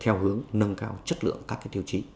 theo hướng nâng cao chất lượng các tiêu chí